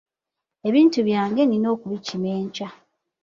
Ebintu byange nina okubikima enkya.